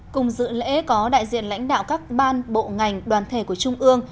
cùng dự lễ có đại diện lãnh đạo các ban bộ ngành đoàn thể của trung ương